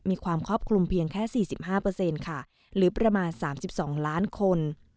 มีความครอบคลุมเพียงแค่สี่สิบห้าเปอร์เซ็นต์ค่ะหรือประมาณสามสิบสองล้านคน